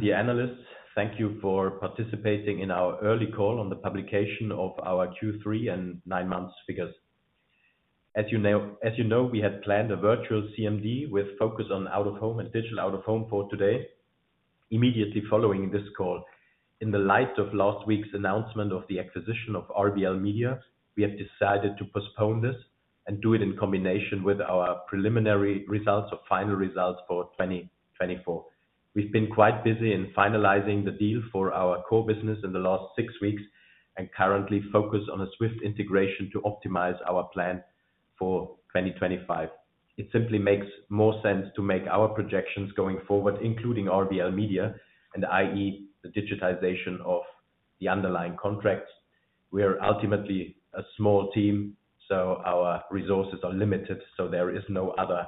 Dear analysts, thank you for participating in our early call on the publication of our Q3 and nine-month figures. As you know, we had planned a virtual CMD with a focus on Out-of-Home and Digital Out-of-Home for today. Immediately following this call, in the light of last week's announcement of the acquisition of RBL Media, we have decided to postpone this and do it in combination with our preliminary results of final results for 2024. We've been quite busy in finalizing the deal for our core business in the last six weeks and currently focus on a swift integration to optimize our plan for 2025. It simply makes more sense to make our projections going forward, including RBL Media and i.e., the digitization of the underlying contracts. We're ultimately a small team, so our resources are limited, so there is no other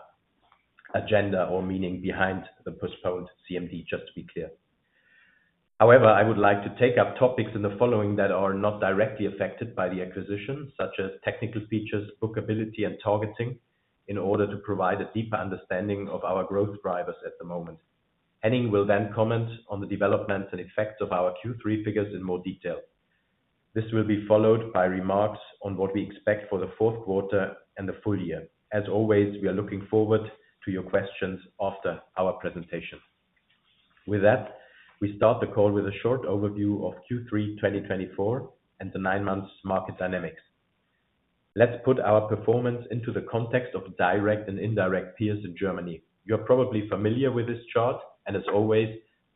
agenda or meaning behind the postponed CMD, just to be clear. However, I would like to take up topics in the following that are not directly affected by the acquisition, such as technical features, bookability, and targeting, in order to provide a deeper understanding of our growth drivers at the moment. Henning will then comment on the developments and effects of our Q3 figures in more detail. This will be followed by remarks on what we expect for the fourth quarter and the full year. As always, we are looking forward to your questions after our presentation. With that, we start the call with a short overview of Q3 2024 and the nine-month market dynamics. Let's put our performance into the context of direct and indirect peers in Germany. You're probably familiar with this chart, and as always,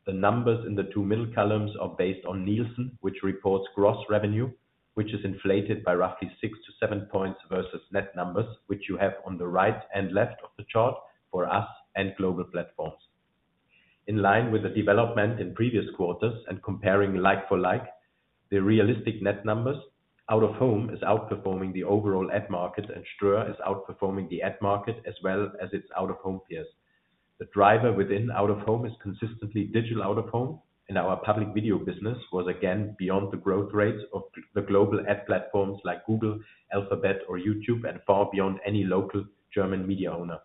the numbers in the two middle columns are based on Nielsen, which reports gross revenue, which is inflated by roughly six to seven points versus net numbers, which you have on the right and left of the chart for us and global platforms. In line with the development in previous quarters and comparing like for like, the realistic net numbers: Out-of-Home is outperforming the overall ad market, and Ströer is outperforming the ad market as well as its Out-of-Home peers. The driver within Out-of-Home is consistently Digital Out-of-Home, and our Public Video business was again beyond the growth rates of the global ad platforms like Google, Alphabet, or YouTube, and far beyond any local German media owner.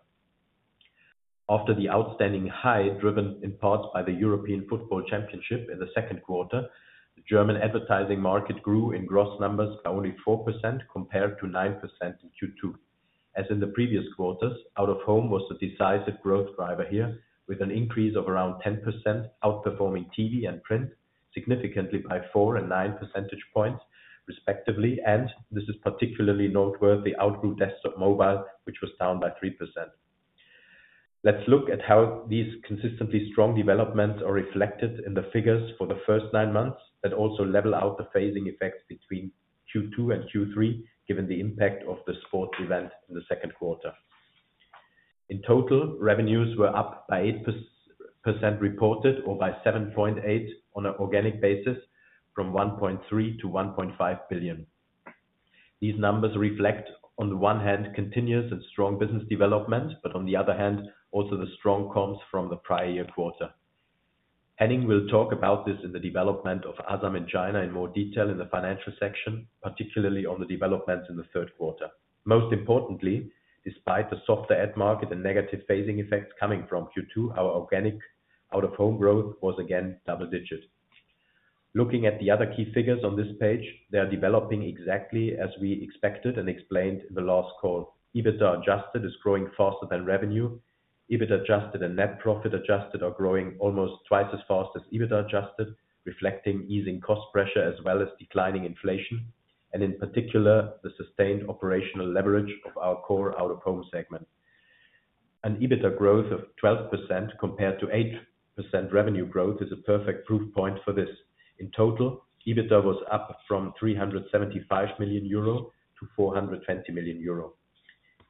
After the outstanding high driven in parts by the European Football Championship in the second quarter, the German advertising market grew in gross numbers by only 4% compared to 9% in Q2. As in the previous quarters, Out-of-Home was the decisive growth driver here, with an increase of around 10%, outperforming TV and print significantly by four and nine percentage points, respectively, and this is particularly noteworthy outgrew desktop mobile, which was down by 3%. Let's look at how these consistently strong developments are reflected in the figures for the first nine months, that also level out the phasing effects between Q2 and Q3, given the impact of the sports event in the second quarter. In total, revenues were up by 8% reported or by 7.8% on an organic basis, from 1.3 billion-1.5 billion. These numbers reflect, on the one hand, continuous and strong business development, but on the other hand, also the strong comps from the prior year quarter. Henning will talk about this in the development of Asam in China in more detail in the financial section, particularly on the developments in the third quarter. Most importantly, despite the softer ad market and negative phasing effects coming from Q2, our organic Out-of-Home growth was again double-digit. Looking at the other key figures on this page, they are developing exactly as we expected and explained in the last call. EBITDA adjusted is growing faster than revenue. EBIT adjusted and net profit adjusted are growing almost twice as fast as EBIT adjusted, reflecting easing cost pressure as well as declining inflation, and in particular, the sustained operational leverage of our core Out-of-Home segment. An EBIT growth of 12% compared to 8% revenue growth is a perfect proof point for this. In total, EBIT was up from 375 million-420 million euro.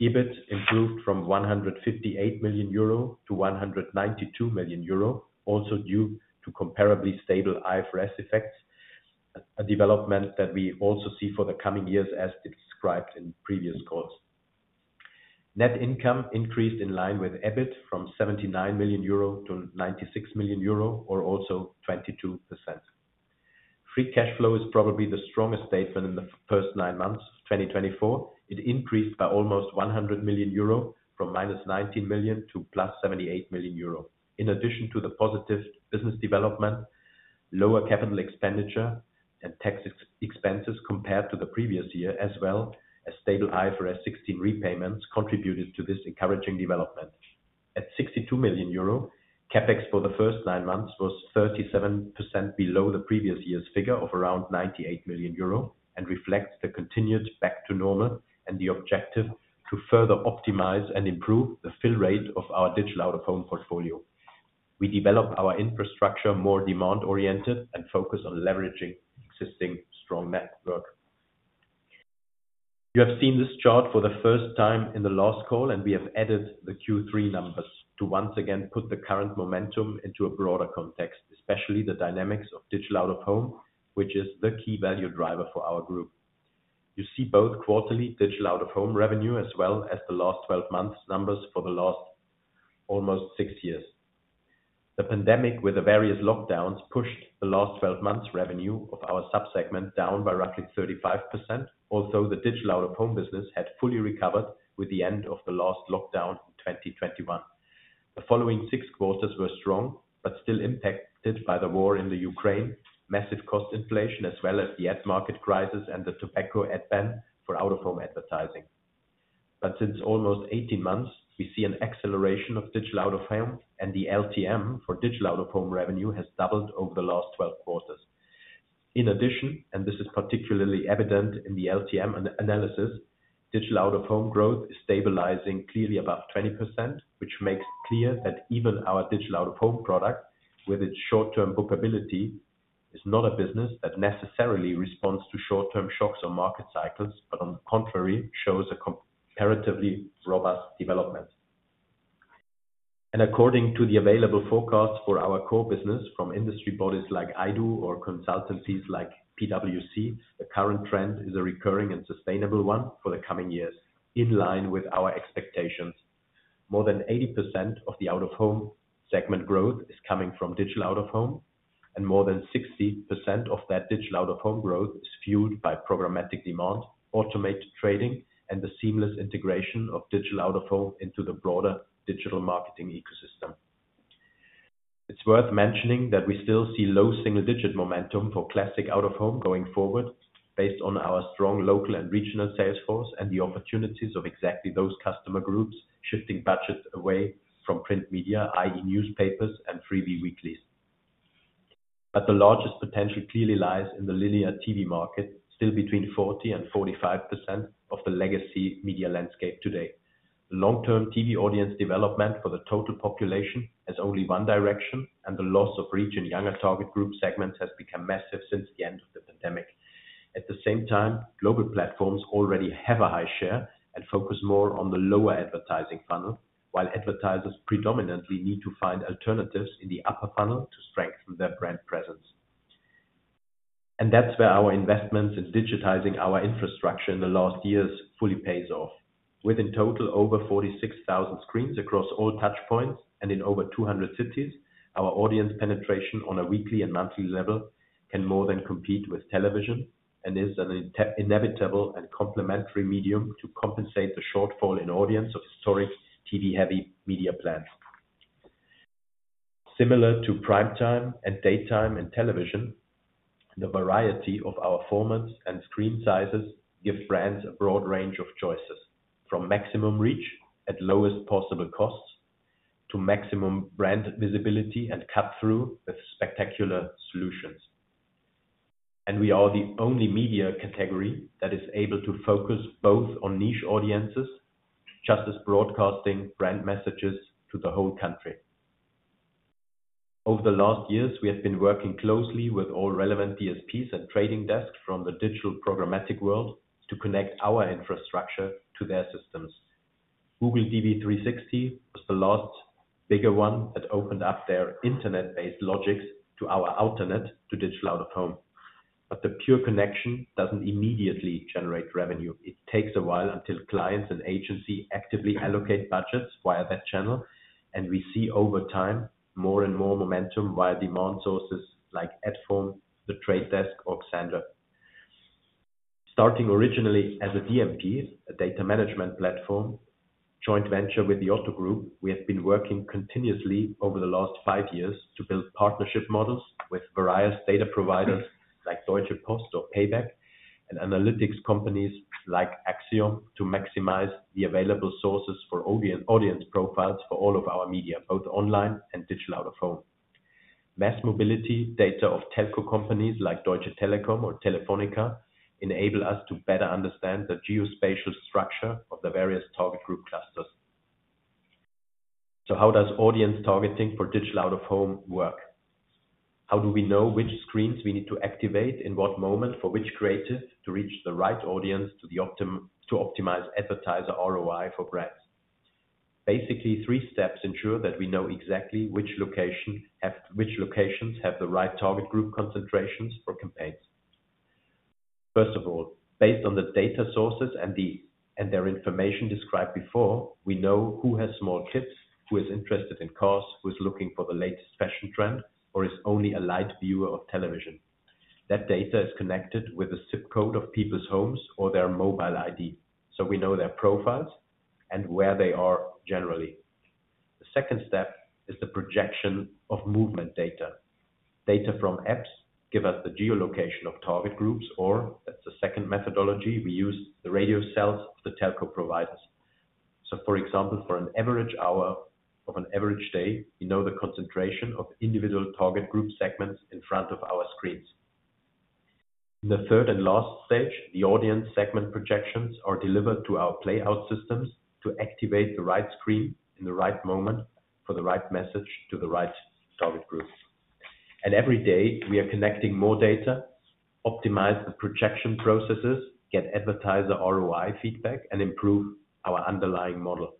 EBIT improved from 158 million-192 million euro, also due to comparably stable IFRS effects, a development that we also see for the coming years, as described in previous calls. Net income increased in line with EBIT from 79 million-96 million euro, or also 22%. Free cash flow is probably the strongest statement in the first nine months of 2024. It increased by almost 100 million euro from -19 million to +78 million euro. In addition to the positive business development, lower capital expenditure and tax expenses compared to the previous year, as well as stable IFRS 16 repayments, contributed to this encouraging development. At 62 million euro, CapEx for the first nine months was 37% below the previous year's figure of around 98 million euro and reflects the continued back to normal and the objective to further optimize and improve the fill rate of our Digital Out-of-Home portfolio. We develop our infrastructure more demand-oriented and focus on leveraging existing strong network. You have seen this chart for the first time in the last call, and we have added the Q3 numbers to once again put the current momentum into a broader context, especially the dynamics of Digital Out-of-Home, which is the key value driver for our group. You see both quarterly Digital Out-of-Home revenue as well as the last 12 months' numbers for the last almost six years. The pandemic, with the various lockdowns, pushed the last 12 months' revenue of our subsegment down by roughly 35%, although the Digital Out-of-Home business had fully recovered with the end of the last lockdown in 2021. The following six quarters were strong but still impacted by the war in Ukraine, massive cost inflation, as well as the ad market crisis and the tobacco ad ban for Out-of-Home advertising, but since almost 18 months, we see an acceleration of Digital Out-of-Home, and the LTM for Digital Out-of-Home revenue has doubled over the last 12 quarters. In addition, and this is particularly evident in the LTM analysis, Digital Out-of-Home growth is stabilizing clearly above 20%, which makes clear that even our Digital Out-of-Home product, with its short-term bookability, is not a business that necessarily responds to short-term shocks or market cycles, but on the contrary, shows a comparatively robust development. According to the available forecasts for our core business from industry bodies like IDOOH or consultancies like PwC, the current trend is a recurring and sustainable one for the coming years, in line with our expectations. More than 80% of the Out-of-Home segment growth is coming from Digital Out-of-Home, and more than 60% of that Digital Out-of-Home growth is fueled by programmatic demand, automated trading, and the seamless integration of Digital Out-of-Home into the broader digital marketing ecosystem. It's worth mentioning that we still see low single-digit momentum for Classic Out-of-Home going forward, based on our strong local and regional sales force and the opportunities of exactly those customer groups shifting budgets away from print media, i.e., newspapers and freebie weeklies. The largest potential clearly lies in the linear TV market, still between 40% and 45% of the legacy media landscape today. Long-term TV audience development for the total population has only one direction, and the loss of reach in younger target group segments has become massive since the end of the pandemic. At the same time, global platforms already have a high share and focus more on the lower advertising funnel, while advertisers predominantly need to find alternatives in the upper funnel to strengthen their brand presence and that's where our investments in digitizing our infrastructure in the last years fully pays off. With in total over 46,000 screens across all touch points and in over 200 cities, our audience penetration on a weekly and monthly level can more than compete with television and is an inevitable and complementary medium to compensate the shortfall in audience of historic TV-heavy media plans. Similar to prime time and daytime in television, the variety of our formats and screen sizes gives brands a broad range of choices, from maximum reach at lowest possible costs to maximum brand visibility and cut-through with spectacular solutions. And we are the only media category that is able to focus both on niche audiences just as broadcasting brand messages to the whole country. Over the last years, we have been working closely with all relevant DSPs and trading desks from the digital programmatic world to connect our infrastructure to their systems. Google DV360 was the last bigger one that opened up their internet-based logics to our alternative to Digital Out-of-Home. But the pure connection doesn't immediately generate revenue. It takes a while until clients and agencies actively allocate budgets via that channel, and we see over time more and more momentum via demand sources like Adform, The Trade Desk, or Xandr. Starting originally as a DMP, a data management platform, joint venture with the Otto Group, we have been working continuously over the last five years to build partnership models with various data providers like Deutsche Post or Payback and analytics companies like Acxiom to maximize the available sources for audience profiles for all of our media, both online and Digital Out-of-Home. Mass mobility data of telco companies like Deutsche Telekom or Telefónica enable us to better understand the geospatial structure of the various target group clusters. So how does audience targeting for Digital Out-of-Home work? How do we know which screens we need to activate in what moment for which creative to reach the right audience to optimize advertiser ROI for brands? Basically, three steps ensure that we know exactly which locations have the right target group concentrations for campaigns. First of all, based on the data sources and their information described before, we know who has small kids, who is interested in cars, who is looking for the latest fashion trend, or is only a light viewer of television. That data is connected with the ZIP code of people's homes or their mobile ID, so we know their profiles and where they are generally. The second step is the projection of movement data. Data from apps give us the geolocation of target groups, or that's the second methodology we use, the radio cells of the telco providers. So, for example, for an average hour of an average day, we know the concentration of individual target group segments in front of our screens. In the third and last stage, the audience segment projections are delivered to our playout systems to activate the right screen in the right moment for the right message to the right target group. And every day, we are connecting more data, optimize the projection processes, get advertiser ROI feedback, and improve our underlying model.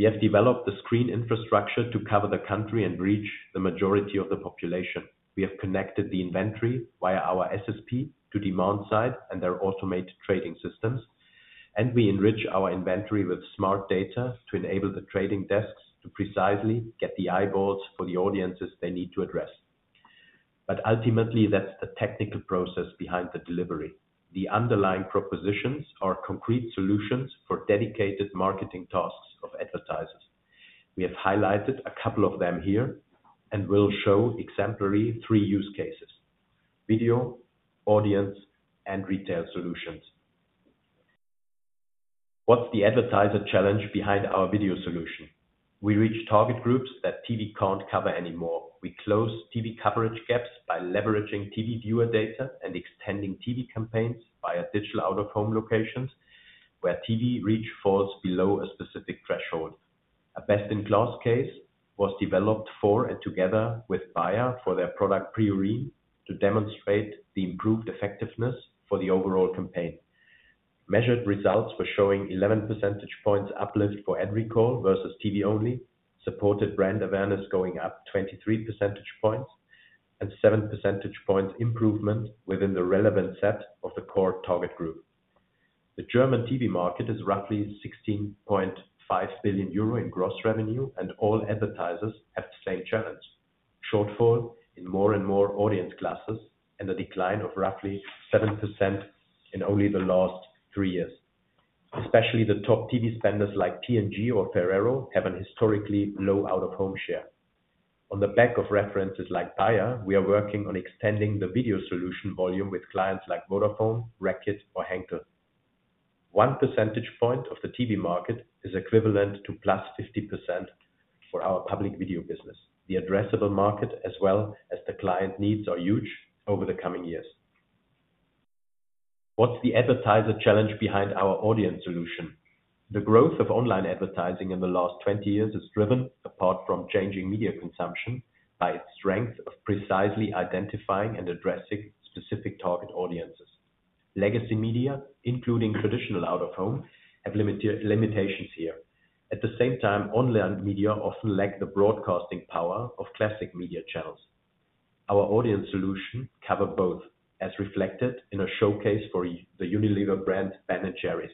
We have developed the screen infrastructure to cover the country and reach the majority of the population. We have connected the inventory via our SSP to demand side and their automated trading systems, and we enrich our inventory with smart data to enable the trading desks to precisely get the eyeballs for the audiences they need to address. But ultimately, that's the technical process behind the delivery. The underlying propositions are concrete solutions for dedicated marketing tasks of advertisers. We have highlighted a couple of them here and will show exemplary three use cases: video, audience, and retail solutions. What's the advertiser challenge behind our video solution? We reach target groups that TV can't cover anymore. We close TV coverage gaps by leveraging TV viewer data and extending TV campaigns via Digital Out-of-Home locations where TV reach falls below a specific threshold. A best-in-class case was developed for and together with Bayer for their product Priorin to demonstrate the improved effectiveness for the overall campaign. Measured results were showing 11 percentage points uplift for ad recall versus TV only, supported brand awareness going up 23 percentage points, and seven percentage points improvement within the relevant set of the core target group. The German TV market is roughly 16.5 billion euro in gross revenue, and all advertisers have the same challenge: shortfall in more and more audience classes and a decline of roughly 7% in only the last three years. Especially the top TV spenders like P&G or Ferrero have a historically low out-of-home share. On the back of references like Bayer, we are working on extending the video solution volume with clients like Vodafone, Reckitt, or Henkel. One percentage point of the TV market is equivalent to +50% for our Public Video business. The addressable market, as well as the client needs, are huge over the coming years. What's the advertiser challenge behind our audience solution? The growth of online advertising in the last 20 years is driven, apart from changing media consumption, by its strength of precisely identifying and addressing specific target audiences. Legacy media, including traditional out-of-home, have limitations here. At the same time, online media often lack the broadcasting power of classic media channels. Our audience solution covers both, as reflected in a showcase for the Unilever brand Ben & Jerry's.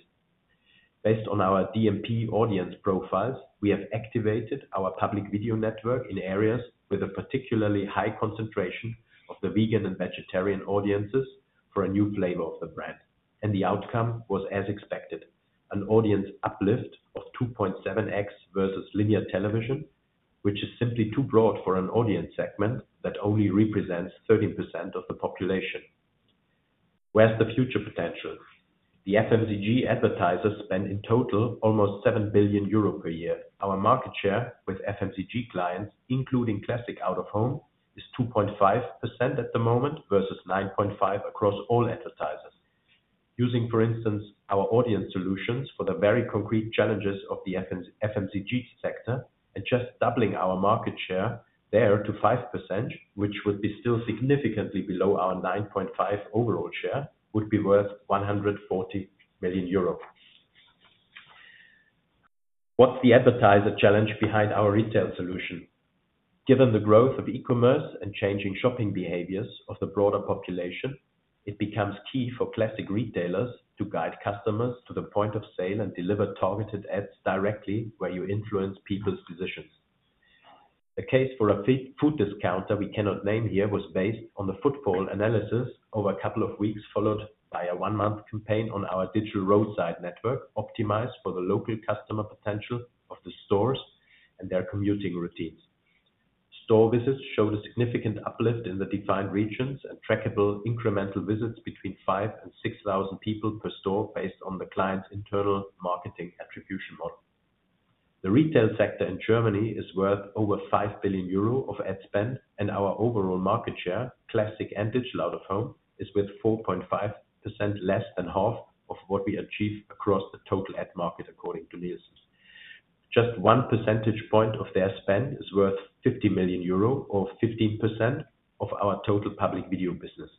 Based on our DMP audience profiles, we have activated our public video network in areas with a particularly high concentration of the vegan and vegetarian audiences for a new flavor of the brand. And the outcome was as expected: an audience uplift of 2.7x versus linear television, which is simply too broad for an audience segment that only represents 13% of the population. Where's the future potential? The FMCG advertisers spend in total almost 7 billion euro per year. Our market share with FMCG clients, including Classic Out-of-Home, is 2.5% at the moment versus 9.5% across all advertisers. Using, for instance, our audience solutions for the very concrete challenges of the FMCG sector and just doubling our market share there to 5%, which would be still significantly below our 9.5% overall share, would be worth 140 million euro. What's the advertiser challenge behind our retail solution? Given the growth of e-commerce and changing shopping behaviors of the broader population, it becomes key for classic retailers to guide customers to the point of sale and deliver targeted ads directly where you influence people's decisions. A case for a food discounter we cannot name here was based on the football analysis over a couple of weeks, followed by a one-month campaign on our digital roadside network optimized for the local customer potential of the stores and their commuting routines. Store visits showed a significant uplift in the defined regions and trackable incremental visits between 5,000 and 6,000 people per store based on the client's internal marketing attribution model. The retail sector in Germany is worth over 5 billion euro of ad spend, and our overall market share, Classic and Digital Out-of-Home, is with 4.5% less than half of what we achieve across the total ad market, according to Nielsen. Just one percentage point of their spend is worth 50 million euro, or 15% of our total Public Video business.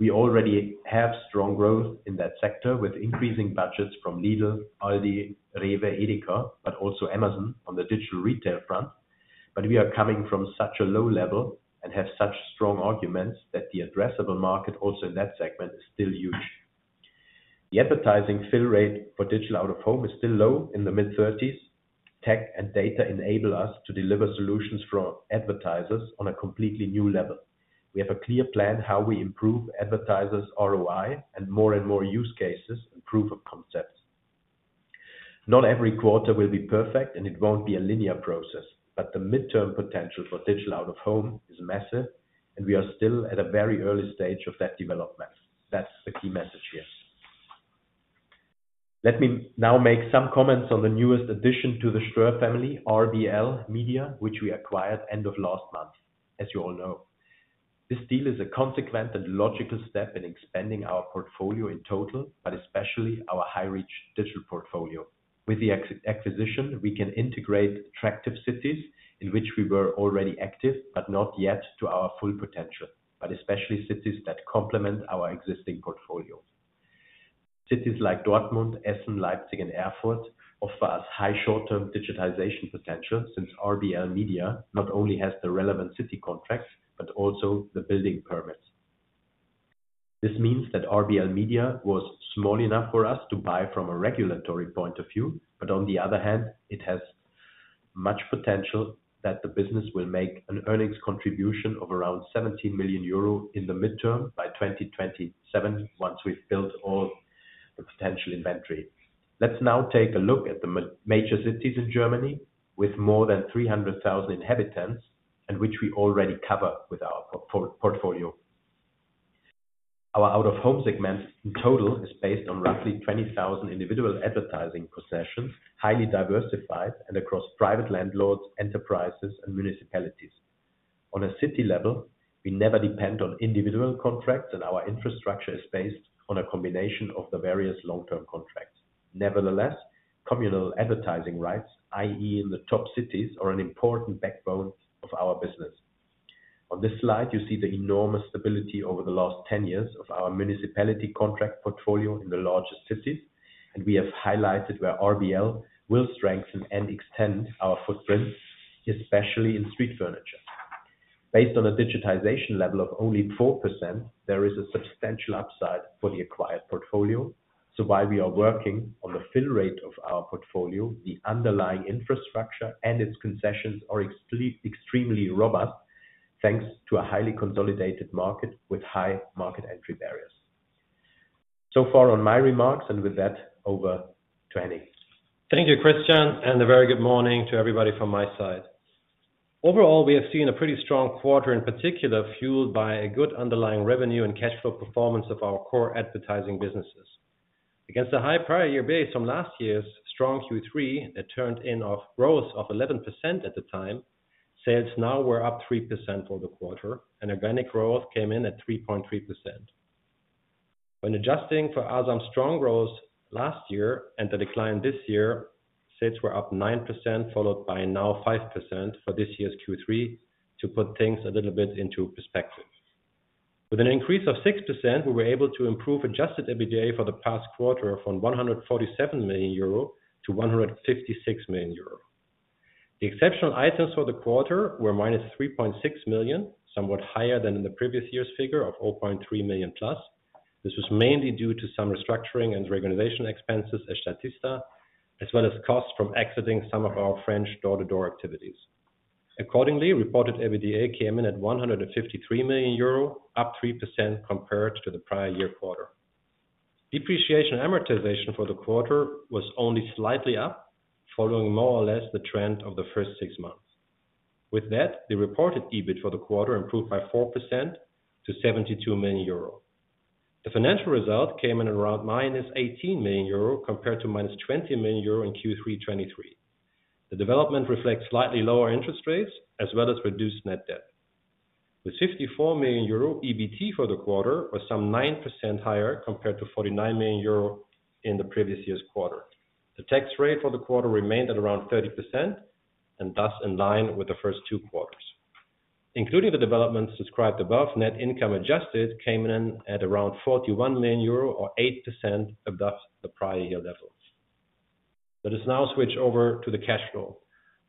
We already have strong growth in that sector with increasing budgets from Lidl, Aldi, REWE, EDEKA, but also Amazon on the digital retail front. But we are coming from such a low level and have such strong arguments that the addressable market also in that segment is still huge. The advertising fill rate for Digital Out-of-Home is still low in the mid-30s. Tech and data enable us to deliver solutions for advertisers on a completely new level. We have a clear plan how we improve advertisers' ROI and more and more use cases and proof of concepts. Not every quarter will be perfect, and it won't be a linear process. But the midterm potential for Digital Out-of-Home is massive, and we are still at a very early stage of that development. That's the key message here. Let me now make some comments on the newest addition to the Ströer family, RBL Media, which we acquired end of last month, as you all know. This deal is a consequent and logical step in expanding our portfolio in total, but especially our high-reach digital portfolio. With the acquisition, we can integrate attractive cities in which we were already active but not yet to our full potential, but especially cities that complement our existing portfolio. Cities like Dortmund, Essen, Leipzig, and Erfurt offer us high short-term digitization potential since RBL Media not only has the relevant city contracts but also the building permits. This means that RBL Media was small enough for us to buy from a regulatory point of view, but on the other hand, it has much potential that the business will make an earnings contribution of around 17 million euro in the midterm by 2027 once we've built all the potential inventory. Let's now take a look at the major cities in Germany with more than 300,000 inhabitants and which we already cover with our portfolio. Our Out-of-Home segment in total is based on roughly 20,000 individual advertising possessions, highly diversified and across private landlords, enterprises, and municipalities. On a city level, we never depend on individual contracts, and our infrastructure is based on a combination of the various long-term contracts. Nevertheless, communal advertising rights, i.e., in the top cities, are an important backbone of our business. On this slide, you see the enormous stability over the last 10 years of our municipality contract portfolio in the largest cities, and we have highlighted where RBL will strengthen and extend our footprint, especially in street furniture. Based on a digitization level of only 4%, there is a substantial upside for the acquired portfolio. So while we are working on the fill rate of our portfolio, the underlying infrastructure and its concessions are extremely robust thanks to a highly consolidated market with high market entry barriers. So far on my remarks, and with that, over to Henning. Thank you, Christian, and a very good morning to everybody from my side. Overall, we have seen a pretty strong quarter, in particular fueled by a good underlying revenue and cash flow performance of our core advertising businesses. Against a high prior year base from last year's strong Q3 that turned in a growth of 11% at the time, sales now were up 3% for the quarter, and organic growth came in at 3.3%. When adjusting for Asam's strong growth last year and the decline this year, sales were up 9%, followed by now 5% for this year's Q3, to put things a little bit into perspective. With an increase of 6%, we were able to improve adjusted EBITDA for the past quarter from 147 million euro to 156 million euro. The exceptional items for the quarter were -3.6 million, somewhat higher than in the previous year's figure of +0.3 million. This was mainly due to some restructuring and organization expenses, as well as costs from exiting some of our French door-to-door activities. Accordingly, reported EBITDA came in at 153 million euro, up 3% compared to the prior year quarter. Depreciation amortization for the quarter was only slightly up, following more or less the trend of the first six months. With that, the reported EBIT for the quarter improved by 4% to 72 million euro. The financial result came in at around -18 million euro compared to -20 million euro in Q3 2023. The development reflects slightly lower interest rates as well as reduced net debt. The 54 million euro EBIT for the quarter was some 9% higher compared to 49 million euro in the previous year's quarter. The tax rate for the quarter remained at around 30% and thus in line with the first two quarters. Including the developments described above, net income adjusted came in at around 41 million euro, or 8% above the prior year level. Let us now switch over to the cash flow.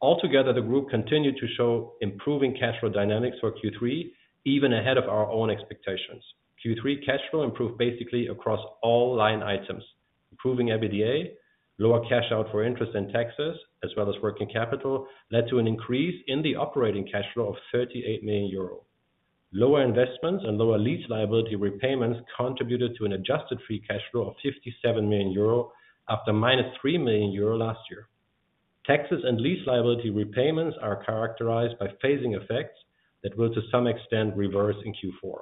Altogether, the group continued to show improving cash flow dynamics for Q3, even ahead of our own expectations. Q3 cash flow improved basically across all line items. Improving EBITDA, lower cash out for interest and taxes, as well as working capital, led to an increase in the operating cash flow of 38 million euro. Lower investments and lower lease liability repayments contributed to an adjusted free cash flow of 57 million euro after -3 million euro last year. Taxes and lease liability repayments are characterized by phasing effects that will, to some extent, reverse in Q4.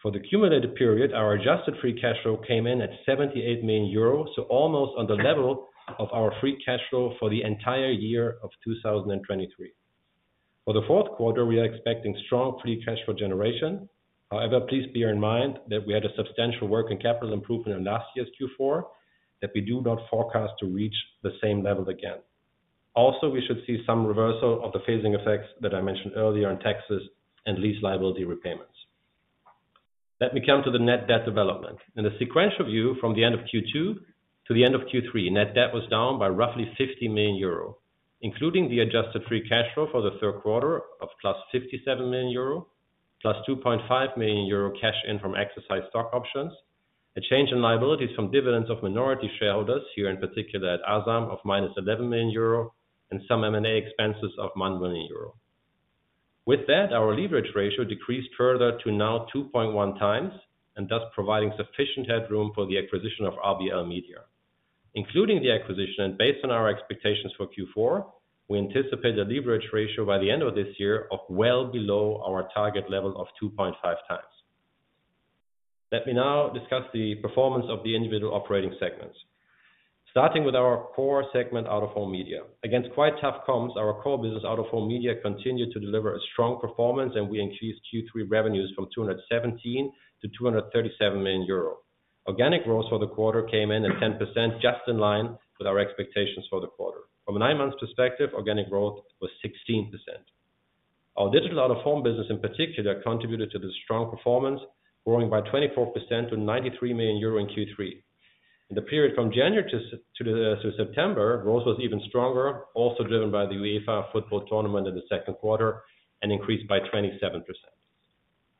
For the cumulative period, our adjusted free cash flow came in at 78 million euros, so almost on the level of our free cash flow for the entire year of 2023. For the fourth quarter, we are expecting strong free cash flow generation. However, please bear in mind that we had a substantial working capital improvement in last year's Q4 that we do not forecast to reach the same level again. Also, we should see some reversal of the phasing effects that I mentioned earlier in taxes and lease liability repayments. Let me come to the net debt development. In the sequential view from the end of Q2 to the end of Q3, net debt was down by roughly 50 million euro, including the adjusted free cash flow for the third quarter of +57 million euro, +2.5 million euro cash in from exercised stock options, a change in liabilities from dividends of minority shareholders, here in particular at Asam, of -11 million euro, and some M&A expenses of 1 million euro. With that, our leverage ratio decreased further to now 2.1x and thus providing sufficient headroom for the acquisition of RBL Media. Including the acquisition, and based on our expectations for Q4, we anticipate a leverage ratio by the end of this year of well below our target level of 2.5x. Let me now discuss the performance of the individual operating segments. Starting with our core segment, Out-of-Home Media. Against quite tough comps, our core business, Out-of-Home Media, continued to deliver a strong performance, and we increased Q3 revenues from 217 million-237 million euro. Organic growth for the quarter came in at 10%, just in line with our expectations for the quarter. From a nine-month perspective, organic growth was 16%. Our Digital Out-of-Home business, in particular, contributed to the strong performance, growing by 24% to 93 million euro in Q3. In the period from January to September, growth was even stronger, also driven by the UEFA football tournament in the second quarter and increased by 27%.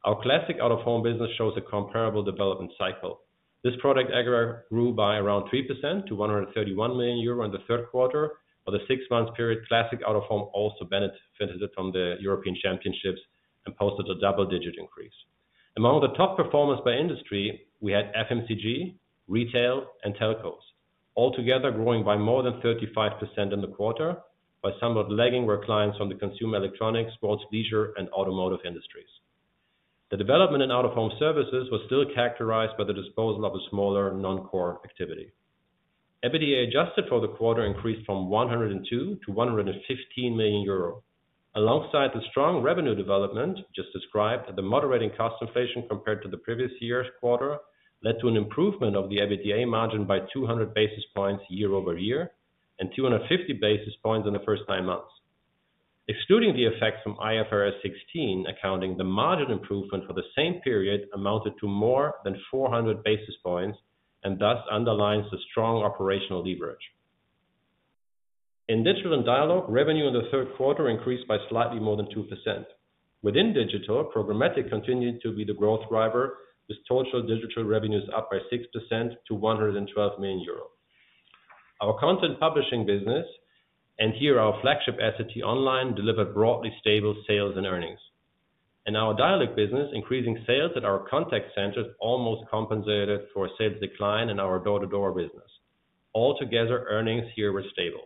Our Classic Out-of-Home business shows a comparable development cycle. This product aggregate grew by around 3% to 131 million euro in the third quarter. Over the six-month period, Classic Out-of-Home also benefited from the European Championships and posted a double-digit increase. Among the top performers by industry, we had FMCG, retail, and telcos, altogether growing by more than 35% in the quarter, while somewhat lagging were clients from the consumer electronics, sports, leisure, and automotive industries. The development in Out-of-Home services was still characterized by the disposal of a smaller non-core activity. EBITDA adjusted for the quarter increased from 102 million-115 million euro. Alongside the strong revenue development just described, the moderating cost inflation compared to the previous year's quarter led to an improvement of the EBITDA margin by 200 basis points year over year and 250 basis points in the first nine months. Excluding the effects from IFRS 16, accounting, the margin improvement for the same period amounted to more than 400 basis points and thus underlines the strong operational leverage. In Digital & Dialog, revenue in the third quarter increased by slightly more than 2%. Within Digital, programmatic continued to be the growth driver, with total digital revenues up by 6% to 112 million euro. Our content publishing business, and here our flagship t-online, delivered broadly stable sales and earnings. Our Dialog business, increasing sales at our contact centers, almost compensated for sales decline in our door-to-door business. Altogether, earnings here were stable.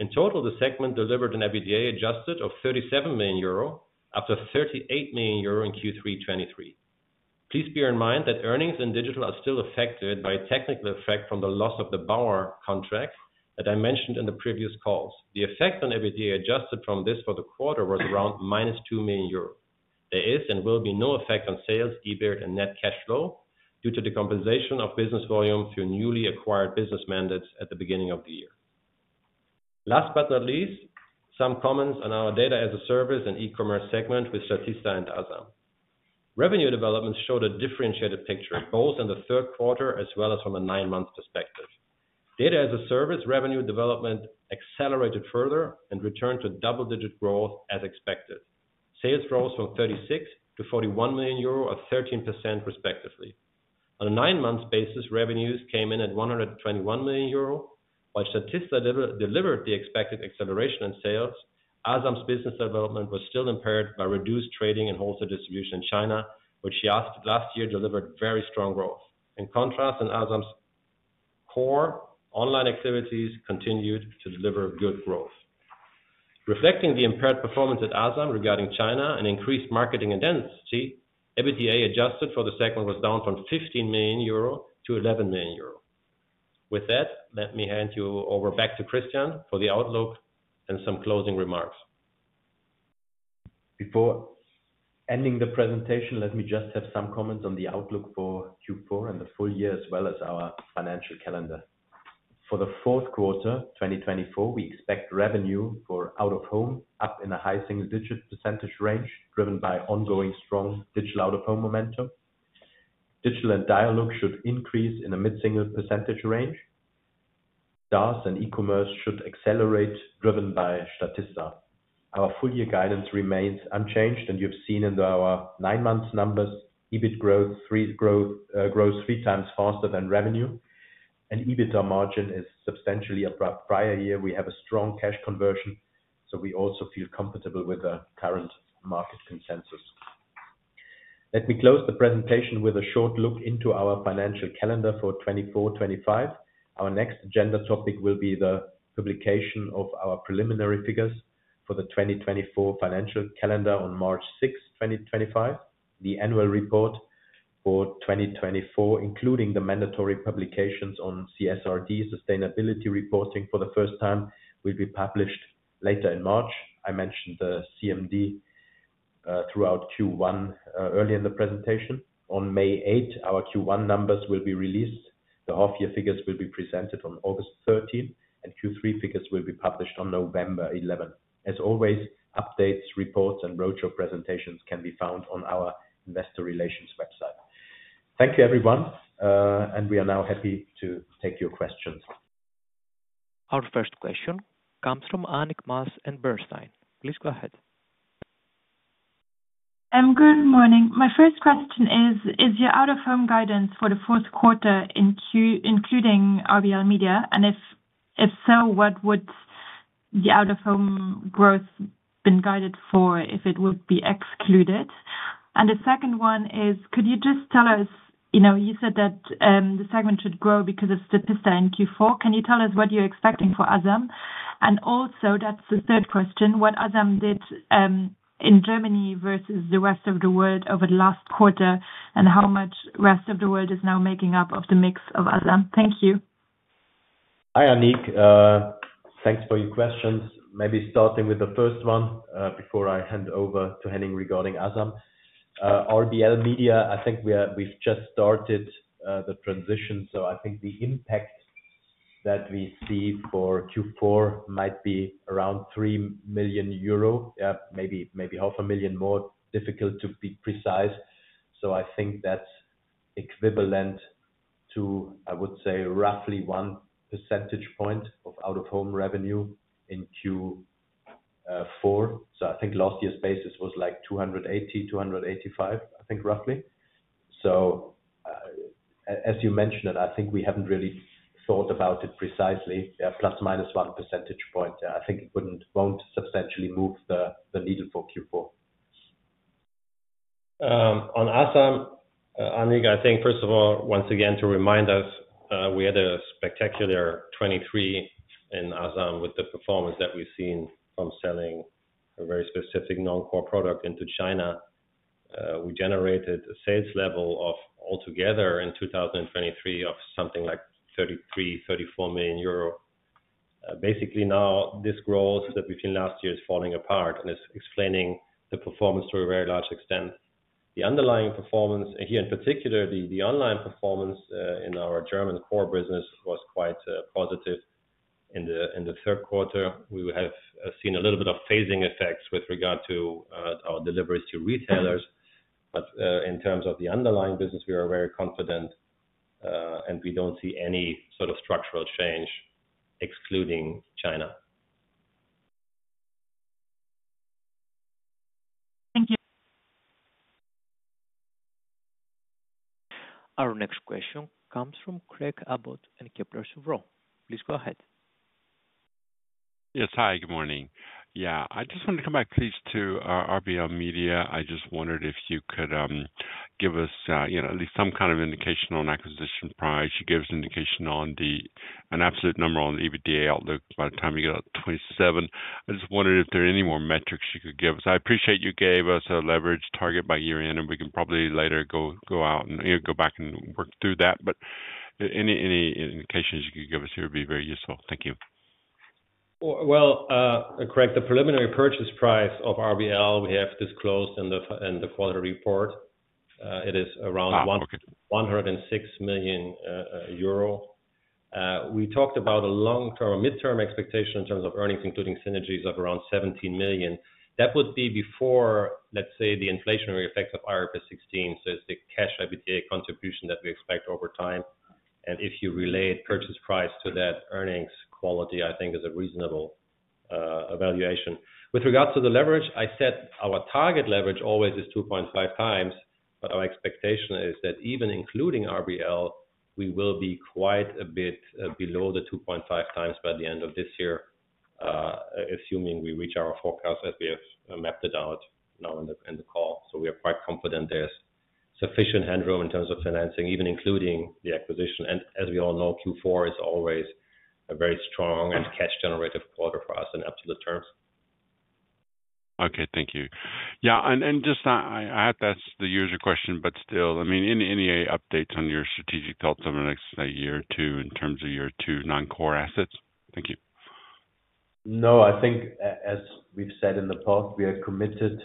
In total, the segment delivered an adjusted EBITDA of 37 million euro after 38 million euro in Q3 2023. Please bear in mind that earnings in Digital are still affected by a technical effect from the loss of the Baur contract that I mentioned in the previous calls. The effect on adjusted EBITDA from this for the quarter was around -2 million euros. There is and will be no effect on sales, EBITDA, and net cash flow due to the compensation of business volume through newly acquired business mandates at the beginning of the year. Last but not least, some comments on our data as a service and e-commerce segment with Statista and Asam. Revenue developments showed a differentiated picture, both in the third quarter as well as from a nine-month perspective. Data as a service revenue development accelerated further and returned to double-digit growth as expected. Sales rose from 36million to 41 million euro, or 13% respectively. On a nine-month basis, revenues came in at 121 million euro. While Statista delivered the expected acceleration in sales, Asam's business development was still impaired by reduced trading and wholesale distribution in China, which last year delivered very strong growth. In contrast, in Asam's core, online activities continued to deliver good growth. Reflecting the impaired performance at Asam regarding China and increased marketing intensity, EBITDA adjusted for the segment was down from 15 million euro to 11 million euro. With that, let me hand you over back to Christian for the outlook and some closing remarks. Before ending the presentation, let me just have some comments on the outlook for Q4 and the full year, as well as our financial calendar. For the fourth quarter 2024, we expect revenue for Out-of-Home up in a high single-digit percentage range, driven by ongoing strong Digital Out-of-Home momentum. Digital & Dialog should increase in a mid-single percentage range. DAS and e-commerce should accelerate, driven by Statista. Our full year guidance remains unchanged, and you've seen in our nine-month numbers, EBIT growth grows three times faster than revenue, and EBITDA margin is substantially above prior year. We have a strong cash conversion, so we also feel comfortable with the current market consensus. Let me close the presentation with a short look into our financial calendar for 24-25. Our next agenda topic will be the publication of our preliminary figures for the 2024 financial calendar on March 6, 2025. The annual report for 2024, including the mandatory publications on CSRD sustainability reporting for the first time, will be published later in March. I mentioned the CMD throughout Q1 earlier in the presentation. On May 8, our Q1 numbers will be released. The half-year figures will be presented on August 13, and Q3 figures will be published on November 11. As always, updates, reports, and roadshow presentations can be found on our investor relations website. Thank you, everyone, and we are now happy to take your questions. Our first question comes from Annick Maas and Bernstein. Please go ahead. Good morning. My first question is, is your Out-of-Home guidance for the fourth quarter including RBL Media? And if so, what would the Out-of-Home growth have been guided for if it would be excluded? And the second one is, could you just tell us, you said that the segment should grow because of Statista in Q4. Can you tell us what you're expecting for Asam? And also, that's the third question. What Asam did in Germany versus the rest of the world over the last quarter, and how much the rest of the world is now making up of the mix of Asam? Thank you. Hi, Annick. Thanks for your questions. Maybe starting with the first one before I hand over to Henning regarding Asam. RBL Media, I think we've just started the transition, so I think the impact that we see for Q4 might be around 3 million euro, maybe 500,000 more, difficult to be precise. So I think that's equivalent to, I would say, roughly one percentage point of Out-of-Home revenue in Q4. So I think last year's basis was like 280-285, I think, roughly. So as you mentioned, I think we haven't really thought about it precisely, ±1 percentage point. I think it won't substantially move the needle for Q4. On Asam, Annick, I think, first of all, once again, to remind us, we had a spectacular 2023 in Asam with the performance that we've seen from selling a very specific non-core product into China. We generated a sales level altogether in 2023 of something like 33 million-34 million euro. Basically, now this growth that we've seen last year is falling apart and is explaining the performance to a very large extent. The underlying performance, and here in particular, the online performance in our German core business was quite positive. In the third quarter, we have seen a little bit of phasing effects with regard to our deliveries to retailers. But in terms of the underlying business, we are very confident, and we don't see any sort of structural change, excluding China. Thank you. Our next question comes from Craig Abbott and Kepler Cheuvreux. Please go ahead. Yes, hi, good morning. Yeah, I just wanted to come back, please, to RBL Media. I just wondered if you could give us at least some kind of indication on acquisition price. You gave us an indication on an absolute number on the EBITDA outlook by the time you got to 2027. I just wondered if there are any more metrics you could give us. I appreciate you gave us a leverage target by year-end, and we can probably later go out and go back and work through that. But any indications you could give us here would be very useful. Thank you. Well, Craig, the preliminary purchase price of RBL we have disclosed in the quarter report, it is around 106 million euro. We talked about a long-term or mid-term expectation in terms of earnings, including synergies of around 17 million. That would be before, let's say, the inflationary effects of IFRS 16. So it's the cash EBITDA contribution that we expect over time. And if you relate purchase price to that earnings quality, I think is a reasonable evaluation. With regards to the leverage, I said our target leverage always is 2.5x, but our expectation is that even including RBL, we will be quite a bit below the 2.5 times by the end of this year, assuming we reach our forecast as we have mapped it out now in the call. So we are quite confident there's sufficient headroom in terms of financing, even including the acquisition. And as we all know, Q4 is always a very strong and cash-generative quarter for us in absolute terms. Okay, thank you. Yeah, and just to add, that's the usual question, but still, I mean, any updates on your strategic thoughts over the next year or two in terms of your two non-core assets? Thank you. No, I think as we've said in the past, we are committed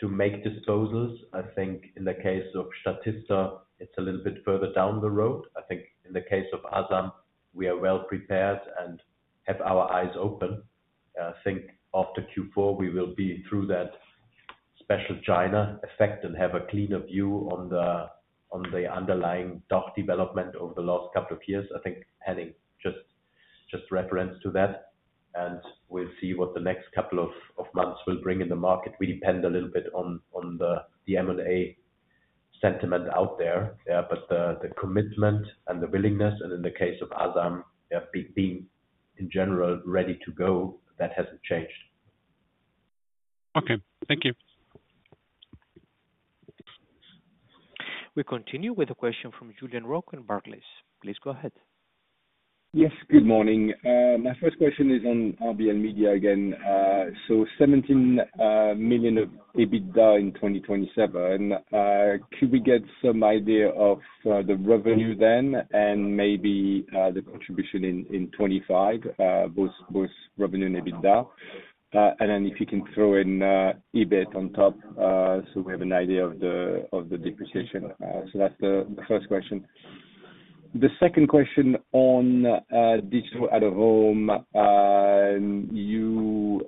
to make disposals. I think in the case of Statista, it's a little bit further down the road. I think in the case of Asam, we are well prepared and have our eyes open. I think after Q4, we will be through that special China effect and have a cleaner view on the underlying DOOH development over the last couple of years. I think Henning just referenced to that, and we'll see what the next couple of months will bring in the market. We depend a little bit on the M&A sentiment out there, but the commitment and the willingness, and in the case of Asam, being in general ready to go, that hasn't changed. Okay, thank you. We continue with a question from Julien Roch and Barclays. Please go ahead. Yes, good morning. My first question is on RBL Media again. So 17 million of EBITDA in 2027. Can we get some idea of the revenue then and maybe the contribution in 2025, both revenue and EBITDA? And then if you can throw in EBIT on top so we have an idea of the depreciation. So that's the first question. The second question on Digital Out-of-Home, you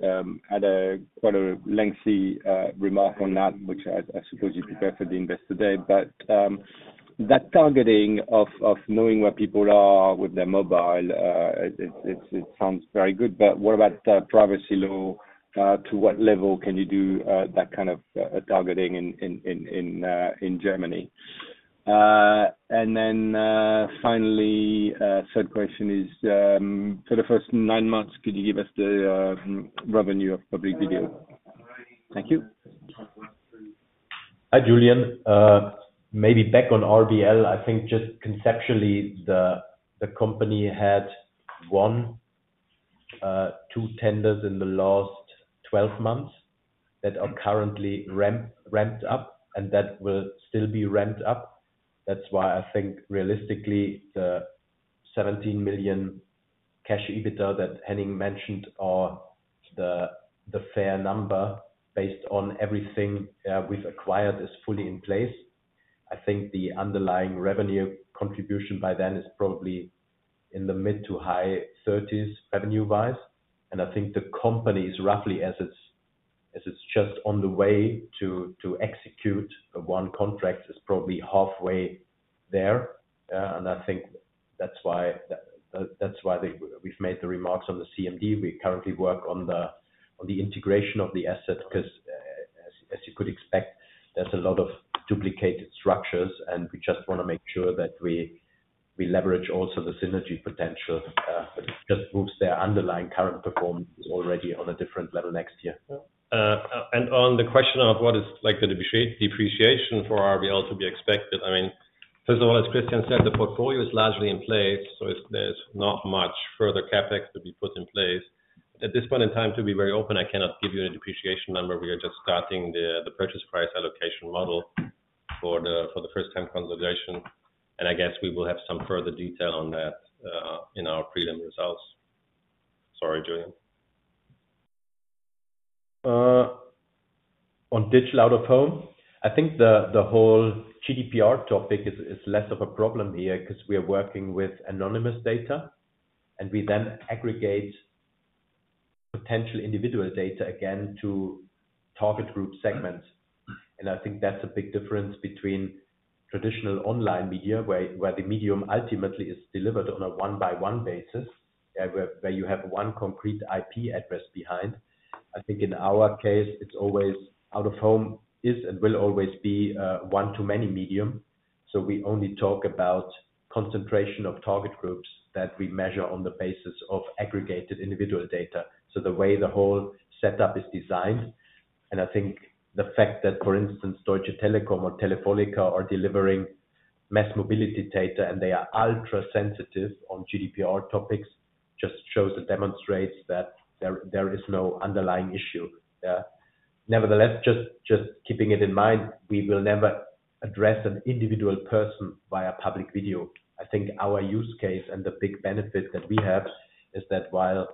had quite a lengthy remark on that, which I suppose you prepared for the Investor Day, but that targeting of knowing where people are with their mobile, it sounds very good, but what about privacy law? To what level can you do that kind of targeting in Germany? And then finally, third question is, for the first nine months, could you give us the revenue of Public Video? Thank you. Hi, Julien. Maybe back on RBL, I think just conceptually, the company had won two tenders in the last 12 months that are currently ramped up and that will still be ramped up. That's why I think realistically the 17 million cash EBITDA that Henning mentioned are the fair number based on everything we've acquired, is fully in place. I think the underlying revenue contribution by then is probably in the mid- to high-30s revenue-wise. I think the company is roughly, as it's just on the way to execute one contract, is probably halfway there. I think that's why we've made the remarks on the CMD. We currently work on the integration of the assets because, as you could expect, there's a lot of duplicated structures, and we just want to make sure that we leverage also the synergy potential that just proves their underlying current performance is already on a different level next year. On the question of what is the depreciation for RBL to be expected, I mean, first of all, as Christian said, the portfolio is largely in place, so there's not much further CapEx to be put in place. At this point in time, to be very open, I cannot give you a depreciation number. We are just starting the purchase price allocation model for the first-time consolidation. I guess we will have some further detail on that in our prelim results. Sorry, Julien. On Digital Out-of-Home, I think the whole GDPR topic is less of a problem here because we are working with anonymous data, and we then aggregate potential individual data again to target group segments. And I think that's a big difference between traditional online media, where the medium ultimately is delivered on a one-by-one basis, where you have one concrete IP address behind. I think in our case, it's always Out-of-Home, it is and will always be one-to-many medium. So we only talk about concentration of target groups that we measure on the basis of aggregated individual data. So the way the whole setup is designed. And I think the fact that, for instance, Deutsche Telekom or Telefónica are delivering mass mobility data, and they are ultra-sensitive on GDPR topics, just shows and demonstrates that there is no underlying issue. Nevertheless, just keeping it in mind, we will never address an individual person via public video. I think our use case and the big benefit that we have is that while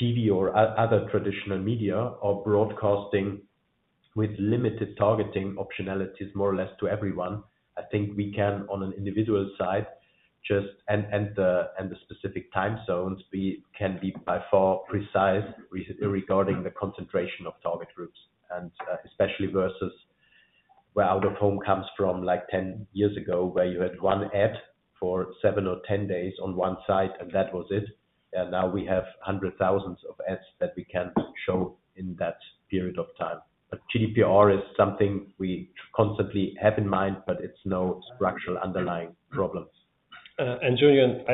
TV or other traditional media are broadcasting with limited targeting optionalities more or less to everyone, I think we can on an individual side just and the specific time zones, we can be by far precise regarding the concentration of target groups, and especially versus where Out-of-Home comes from like 10 years ago, where you had one ad for seven or 10 days on one site, and that was it. Now we have hundreds of thousands of ads that we can show in that period of time. But GDPR is something we constantly have in mind, but it's no structural underlying problem. Julien,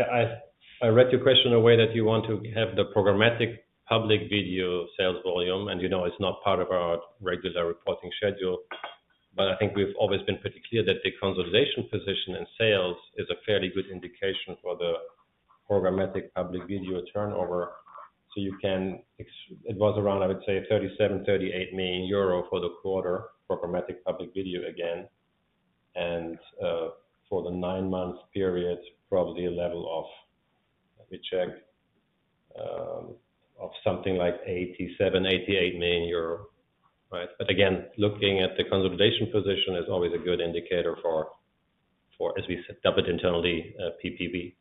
I read your question as that you want to have the Programmatic Public Video sales volume, and it's not part of our regular reporting schedule. But I think we've always been pretty clear that the consolidation position in sales is a fairly good indication for the Programmatic Public Video turnover. So it was around, I would say, 37 million-38 million euro for the quarter Programmatic Public Video again. And for the nine-month period, probably a level of, let me check, of something like 87 million-88 million euro. But again, looking at the consolidation position is always a good indicator for, as we dub it internally, PPV.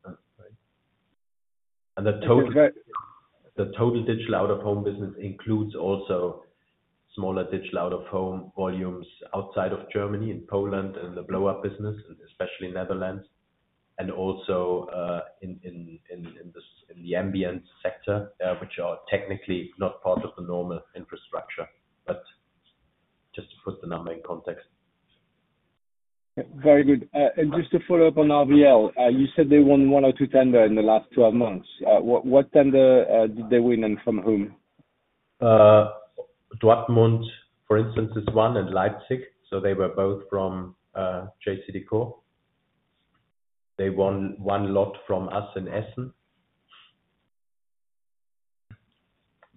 And the total Digital Out-of-Home business includes also smaller Digital Out-of-Home volumes outside of Germany and Poland and the blowUP business, especially Netherlands, and also in the ambient sector, which are technically not part of the normal infrastructure. But just to put the number in context. Very good. And just to follow up on RBL, you said they won one or two tenders in the last 12 months. What tender did they win and from whom? Dortmund, for instance, is one and Leipzig. So they were both from JCDecaux. They won one lot from us in Essen.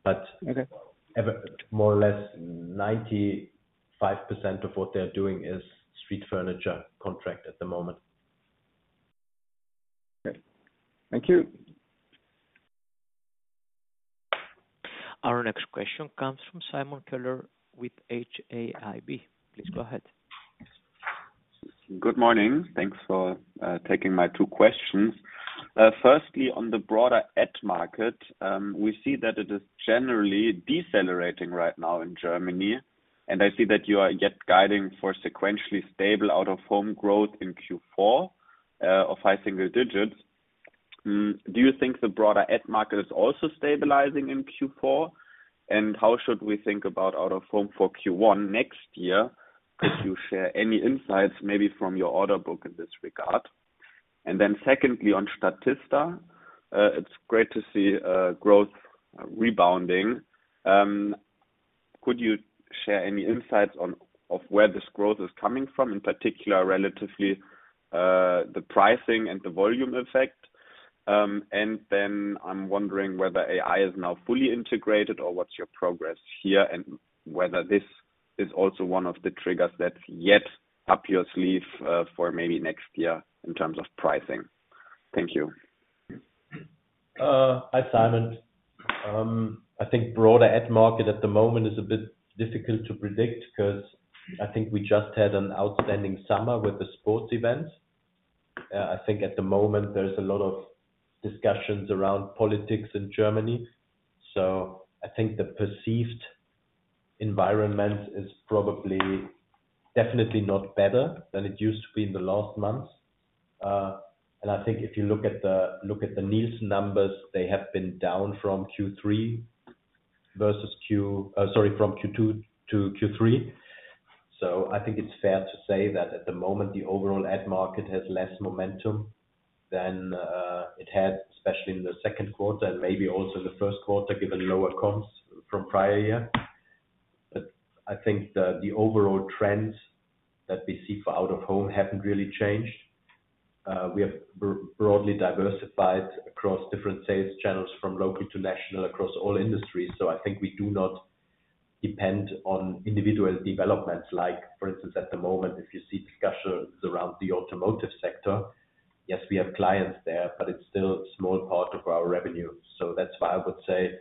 But more or less 95% of what they're doing is street furniture contract at the moment. Okay. Thank you. Our next question comes from Simon Keller with HAIB. Please go ahead. Good morning. Thanks for taking my two questions. Firstly, on the broader ad market, we see that it is generally decelerating right now in Germany. And I see that you are yet guiding for sequentially stable Out-of-Home growth in Q4 of high single digits. Do you think the broader ad market is also stabilizing in Q4? And how should we think about Out-of-Home for Q1 next year? Could you share any insights maybe from your order book in this regard? And then secondly, on Statista, it's great to see growth rebounding. Could you share any insights of where this growth is coming from, in particular, relatively the pricing and the volume effect? And then I'm wondering whether AI is now fully integrated or what's your progress here and whether this is also one of the triggers that's yet up your sleeve for maybe next year in terms of pricing. Thank you. Hi, Simon. I think broader ad market at the moment is a bit difficult to predict because I think we just had an outstanding summer with the sports events. I think at the moment, there's a lot of discussions around politics in Germany. So I think the perceived environment is probably definitely not better than it used to be in the last months. And I think if you look at the Nielsen numbers, they have been down from Q3 versus Q, sorry, from Q2 to Q3. So I think it's fair to say that at the moment, the overall ad market has less momentum than it had, especially in the second quarter and maybe also in the first quarter given lower comps from prior year. But I think the overall trends that we see for out-of-home haven't really changed. We have broadly diversified across different sales channels from local to national across all industries. So I think we do not depend on individual developments. For instance, at the moment, if you see discussions around the automotive sector, yes, we have clients there, but it's still a small part of our revenue. So that's why I would say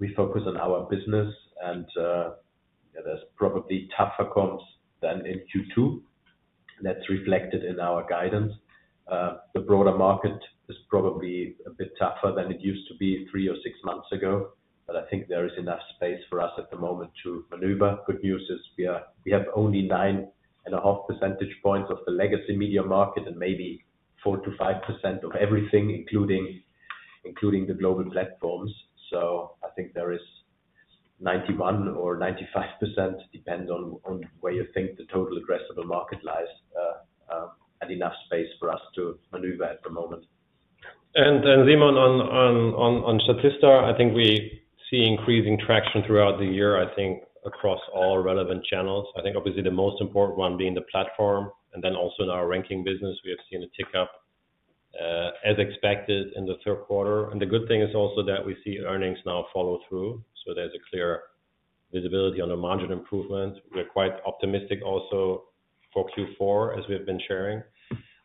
we focus on our business, and there's probably tougher comps than in Q2. That's reflected in our guidance. The broader market is probably a bit tougher than it used to be three or six months ago, but I think there is enough space for us at the moment to maneuver. Good news is we have only 9.5 percentage points of the legacy media market and maybe 4%-5% of everything, including the global platforms. So I think there is 91% or 95%, depends on where you think the total addressable market lies, and enough space for us to maneuver at the moment. And Simon, on Statista, I think we see increasing traction throughout the year, I think, across all relevant channels. I think obviously the most important one being the platform, and then also in our ranking business, we have seen a tick up as expected in the third quarter. And the good thing is also that we see earnings now follow through. So there's a clear visibility on the margin improvement. We're quite optimistic also for Q4, as we have been sharing.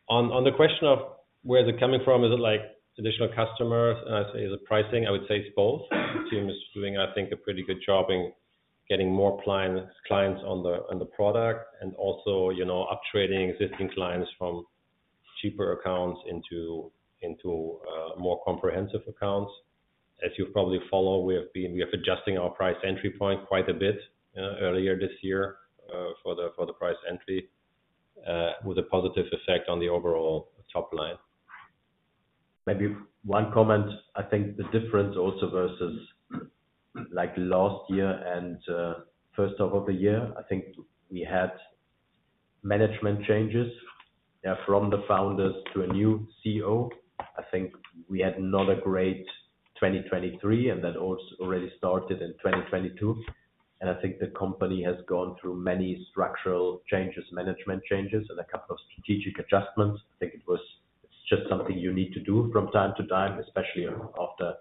On the question of where is it coming from, is it like additional customers? And I say, is it pricing? I would say it's both. The team is doing, I think, a pretty good job in getting more clients on the product and also upgrading existing clients from cheaper accounts into more comprehensive accounts. As you've probably followed, we have been adjusting our price entry point quite a bit earlier this year for the price entry, with a positive effect on the overall top line. Maybe one comment. I think the difference also versus last year and first half of the year. I think we had management changes from the founders to a new CEO. I think we had not a great 2023, and that already started in 2022. And I think the company has gone through many structural changes, management changes, and a couple of strategic adjustments. I think it's just something you need to do from time to time, especially after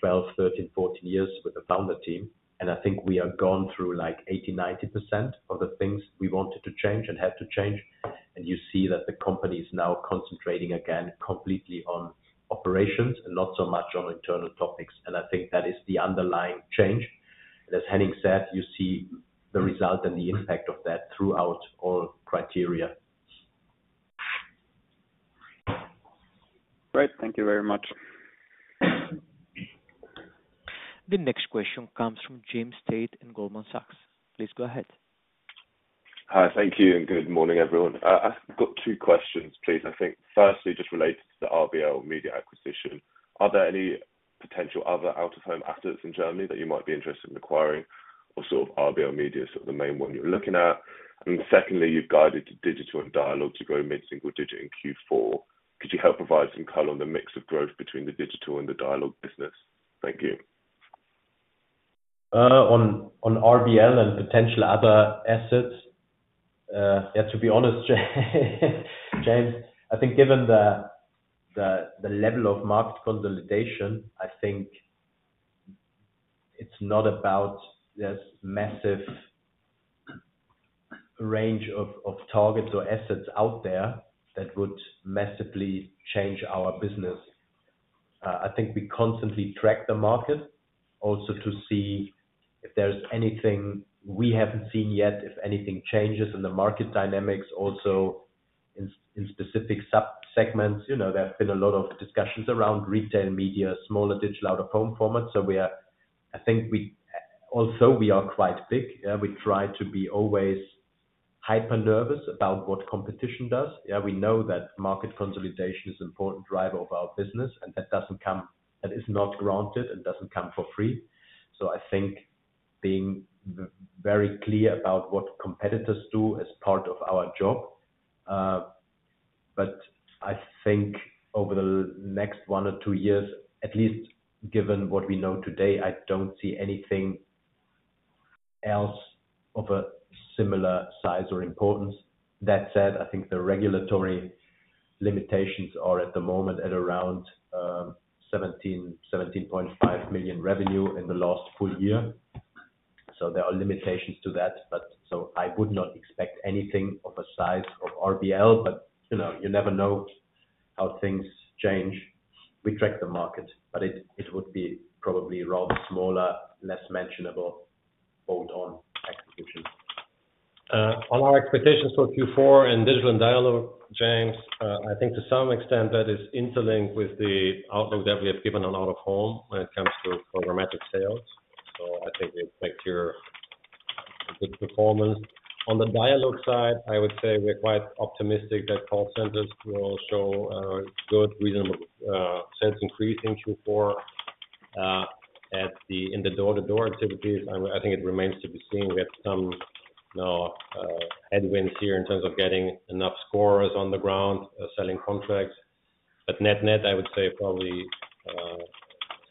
12, 13, 14 years with the founder team. And I think we have gone through like 80%, 90% of the things we wanted to change and had to change. And you see that the company is now concentrating again completely on operations and not so much on internal topics. And I think that is the underlying change. And as Henning said, you see the result and the impact of that throughout all criteria. Great. Thank you very much. The next question comes from James Tate and Goldman Sachs. Please go ahead. Hi, thank you. And good morning, everyone. I've got two questions, please. I think firstly, just related to the RBL Media acquisition, are there any potential other out-of-home assets in Germany that you might be interested in acquiring or sort of RBL Media sort of the main one you're looking at? And secondly, you've guided Digital & Dialog to grow mid-single digit in Q4. Could you help provide some color on the mix of growth between the Digital & Dialog business? Thank you. On RBL and potential other assets, yeah, to be honest, James, I think given the level of market consolidation, I think it's not about there's massive range of targets or assets out there that would massively change our business. I think we constantly track the market also to see if there's anything we haven't seen yet, if anything changes in the market dynamics also in specific subsegments. There have been a lot of discussions around retail media, smaller Digital Out-of-Home formats. So I think although we are quite big, we try to be always hyper nervous about what competition does. We know that market consolidation is an important driver of our business, and that is not granted and doesn't come for free. So I think being very clear about what competitors do as part of our job. But I think over the next one or two years, at least given what we know today, I don't see anything else of a similar size or importance. That said, I think the regulatory limitations are at the moment at around 17 million-17.5 million revenue in the last full year. So there are limitations to that. But so I would not expect anything of a size of RBL, but you never know how things change. We track the market, but it would be probably rather smaller, less mentionable bolt-on execution. On our expectations for Q4 and Digital & Dialog, James, I think to some extent that is interlinked with the outlook that we have given on Out-of-Home when it comes to programmatic sales. So I think we expect your good performance. On the Dialog side, I would say we're quite optimistic that call centers will show good, reasonable sales increase in Q4. At the door-to-door activities, I think it remains to be seen. We had some headwinds here in terms of getting enough scorers on the ground, selling contracts. But net-net, I would say probably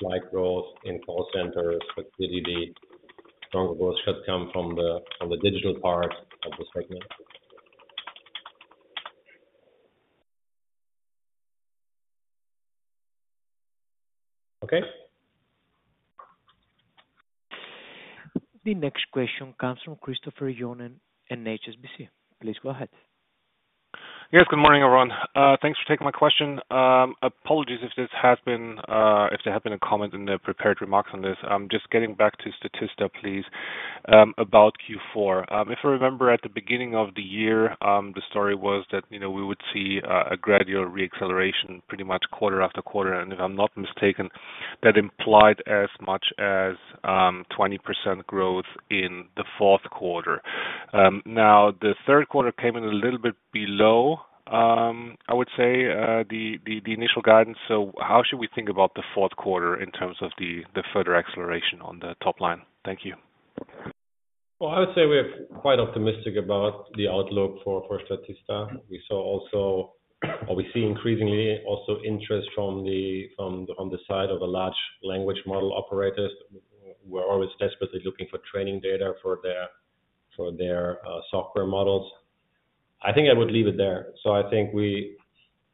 slight growth in call centers, but really stronger growth should come from the Digital part of the segment. Okay. The next question comes from Christopher Johnen and HSBC. Please go ahead. Yes, good morning, everyone. Thanks for taking my question. Apologies if there has been a comment in the prepared remarks on this. I'm just getting back to Statista, please, about Q4. If I remember at the beginning of the year, the story was that we would see a gradual reacceleration pretty much quarter after quarter. If I'm not mistaken, that implied as much as 20% growth in the fourth quarter. Now, the third quarter came in a little bit below, I would say, the initial guidance. So how should we think about the fourth quarter in terms of the further acceleration on the top line? Thank you. I would say we're quite optimistic about the outlook for Statista. We saw also, or we see increasingly also interest from the side of a large language model operators. We're always desperately looking for training data for their software models. I think I would leave it there. So I think we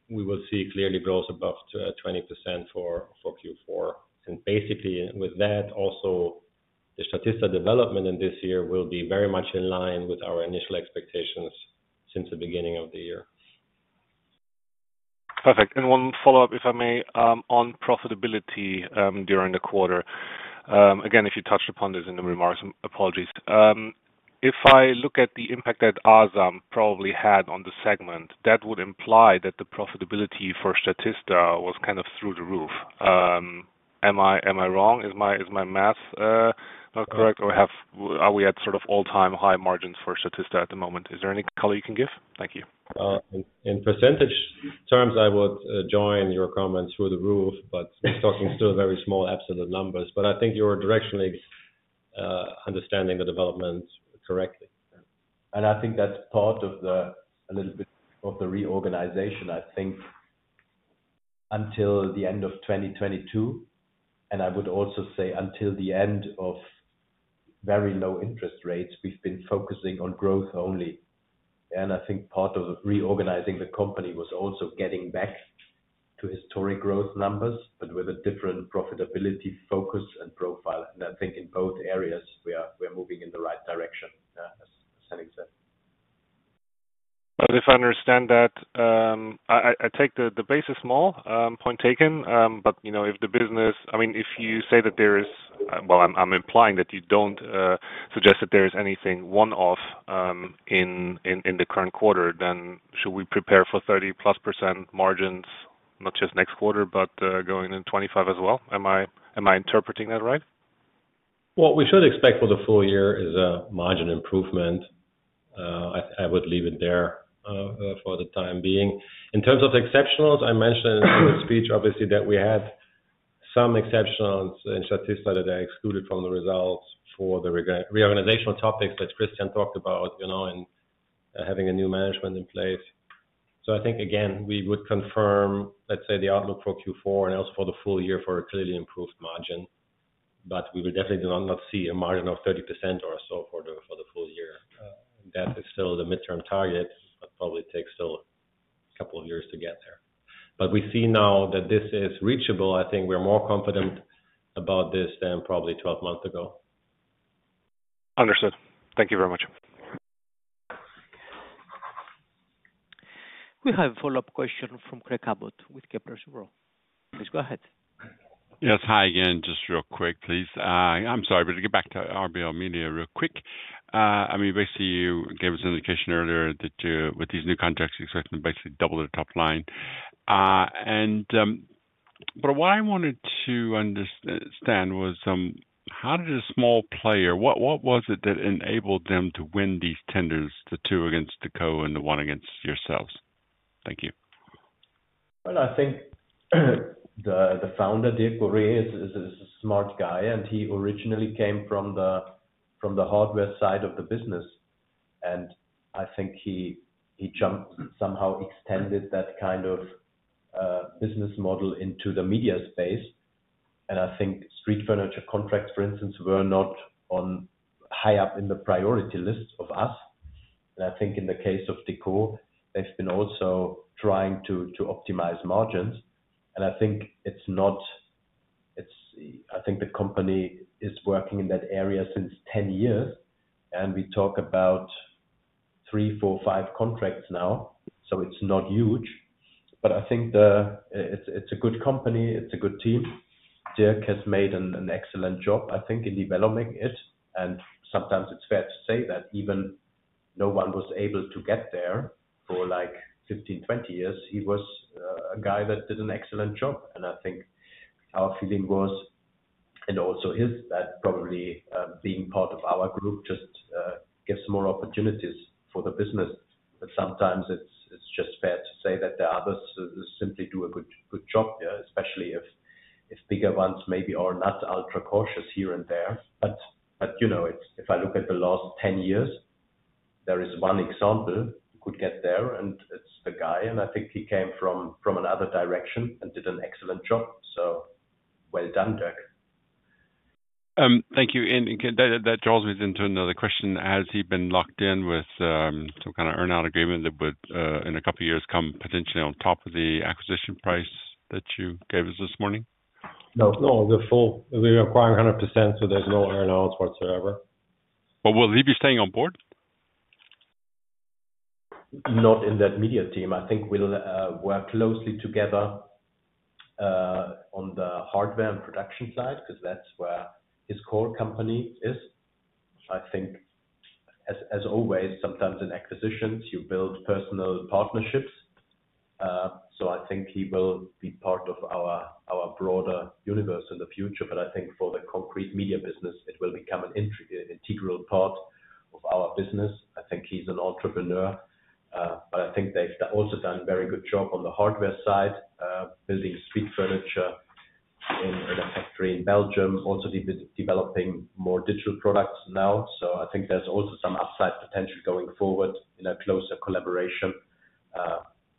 will see clearly growth above 20% for Q4. And basically with that, also the Statista development in this year will be very much in line with our initial expectations since the beginning of the year. Perfect. One follow-up, if I may, on profitability during the quarter. Again, if you touched upon this in the remarks, apologies. If I look at the impact that Asam probably had on the segment, that would imply that the profitability for Statista was kind of through the roof. Am I wrong? Is my math not correct? Or are we at sort of all-time high margins for Statista at the moment? Is there any color you can give? Thank you. In percentage terms, I would join your comments through the roof, but talking still very small absolute numbers. But I think you're directionally understanding the development correctly. And I think that's part of a little bit of the reorganization. I think until the end of 2022, and I would also say until the end of very low interest rates, we've been focusing on growth only. I think part of reorganizing the company was also getting back to historic growth numbers, but with a different profitability focus and profile. I think in both areas, we are moving in the right direction, as Henning said. If I understand that, I take the basis small, point taken. But if the business, I mean, if you say that there is, well, I'm implying that you don't suggest that there is anything one-off in the current quarter, then should we prepare for 30+% margins, not just next quarter, but going into 2025 as well? Am I interpreting that right? What we should expect for the full year is a margin improvement. I would leave it there for the time being. In terms of exceptionals, I mentioned in the speech, obviously, that we had some exceptionals in Statista that are excluded from the results for the reorganizational topics that Christian talked about and having a new management in place. So I think, again, we would confirm, let's say, the outlook for Q4 and also for the full year for a clearly improved margin. But we will definitely not see a margin of 30% or so for the full year. That is still the midterm target, but probably takes still a couple of years to get there. But we see now that this is reachable. I think we're more confident about this than probably 12 months ago. Understood. Thank you very much. We have a follow-up question from Craig Abbott with Kepler Cheuvreux. Please go ahead. Yes. Hi again, just real quick, please. I'm sorry, but to get back to RBL Media real quick. I mean, basically, you gave us an indication earlier that with these new contracts, you're expecting to basically double the top line. But what I wanted to understand was how did a small player, what was it that enabled them to win these tenders, the two against JCDecaux and the one against yourselves? Thank you. Well, I think the founder, Dirk Reiss, is a smart guy, and he originally came from the hardware side of the business. And I think he jumped somehow extended that kind of business model into the media space. And I think street furniture contracts, for instance, were not high up in the priority list of us. And I think in the case of JCDecaux, they've been also trying to optimize margins. I think it's not. I think the company is working in that area since 10 years, and we talk about three, four, five contracts now. So it's not huge. But I think it's a good company. It's a good team. Dirk has made an excellent job, I think, in developing it. And sometimes it's fair to say that even though one was able to get there for like 15, 20 years, he was a guy that did an excellent job. And I think our feeling was, and also his, that probably being part of our group just gives more opportunities for the business. But sometimes it's just fair to say that the others simply do a good job, especially if bigger ones maybe are not ultra-cautious here and there. But if I look at the last 10 years, there is one example who could get there, and it's the guy. And I think he came from another direction and did an excellent job. So well done, Dirk. Thank you. And that draws me into another question. Has he been locked in with some kind of earnout agreement that would, in a couple of years, come potentially on top of the acquisition price that you gave us this morning? No, no. We're acquiring 100%, so there's no earnouts whatsoever. But we'll leave you staying on board? Not in that media team. I think we'll work closely together on the hardware and production side because that's where his core company is. I think, as always, sometimes in acquisitions, you build personal partnerships. So I think he will be part of our broader universe in the future. But I think for the concrete media business, it will become an integral part of our business. I think he's an entrepreneur. But I think they've also done a very good job on the hardware side, building street furniture in a factory in Belgium, also developing more digital products now. So I think there's also some upside potential going forward in a closer collaboration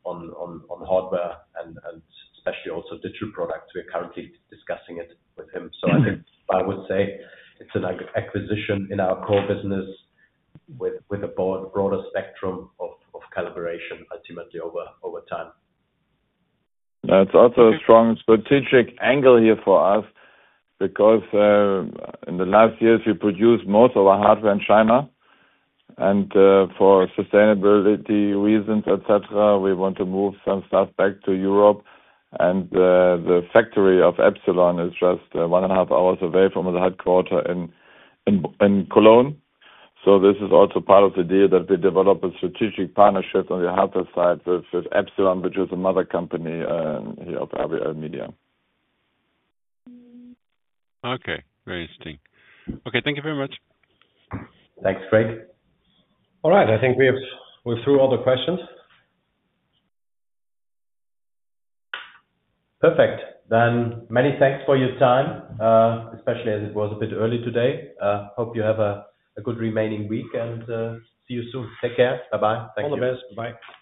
on hardware and especially also digital products. We're currently discussing it with him. So I think I would say it's an acquisition in our core business with a broader spectrum of collaboration, ultimately over time. That's also a strong strategic angle here for us because in the last years, we produced most of our hardware in China. And for sustainability reasons, etc., we want to move some stuff back to Europe. The factory of Epsilon is just one and a half hours away from the headquarters in Cologne. This is also part of the deal that we develop a strategic partnership on the hardware side with Epsilon, which is another company here of RBL Media. Okay. Very interesting. Okay. Thank you very much. Thanks, Craig. All right. I think we're through all the questions. Perfect. Many thanks for your time, especially as it was a bit early today. Hope you have a good remaining week and see you soon. Take care. Bye-bye. Thank you. All the best. Bye-bye.